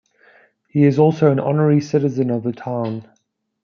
He is also an honorary citizen of the town.